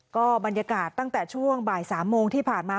ก็บรรยากาศตั้งแต่ช่วงบ่าย๓โมงที่ผ่านมา